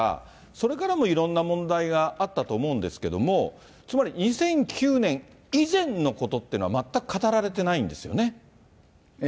それからもいろんな問題があったと思うんですけれども、つまり、２００９年以前のことっていうのは、全く語られてないんですよね。